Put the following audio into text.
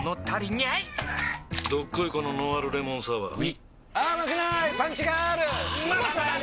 どっこいこのノンアルレモンサワーうぃまさに！